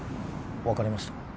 分かりました